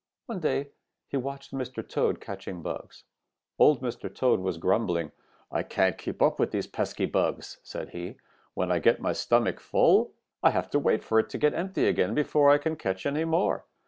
One day he watched Mr. Toad catching bugs. Old Mr. Toad was grumbling. 'I can't keep up with these pesky bugs,' said he. 'When I get my stomach full, I have to wait for it to get empty again before I can catch any more.